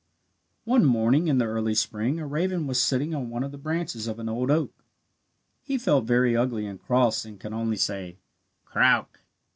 One morning in the early spring a raven was sitting on one of the branches of an old oak. He felt very ugly and cross, and could only say, "Croak!